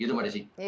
gitu mbak desy